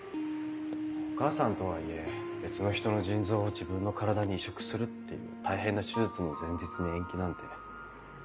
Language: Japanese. お母さんとはいえ別の人の腎臓を自分の体に移植するっていう大変な手術の前日に延期なんて。